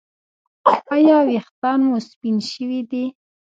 ایا ویښتان مو سپین شوي دي؟